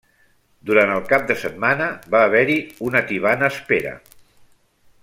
Durant el cap de setmana, va haver-hi una tibant espera.